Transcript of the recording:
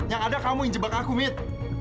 yang ada kamu yang jebak aku mit